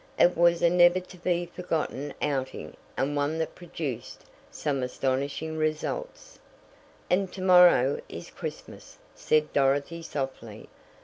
It was a never to be forgotten outing and one that produced some astonishing results. "And to morrow is Christmas," said Dorothy softly.